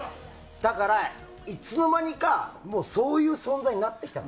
だから、いつの間にかそういう存在になってきた。